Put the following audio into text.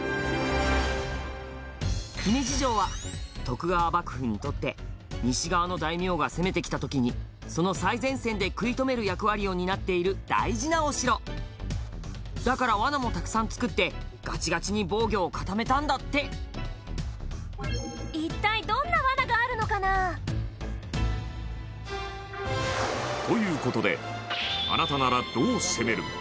姫路城は、徳川幕府にとって西側の大名が攻めてきた時にその最前線で食い止める役割を担っている大事なお城だから、罠もたくさん作ってガチガチに防御を固めたんだって一体どんな罠があるのかな？という事であなたなら、どう攻める？